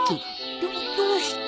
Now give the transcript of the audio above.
でもどうして？